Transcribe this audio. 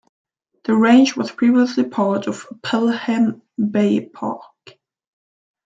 The range was previously part of Pelham Bay Park.